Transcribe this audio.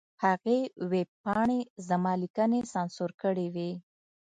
هغې ویبپاڼې زما لیکنې سانسور کړې وې.